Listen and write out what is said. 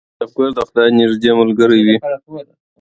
کسبګر د خدای نږدې ملګری وي.